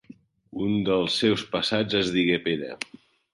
Un dels seus passats es digué Pere.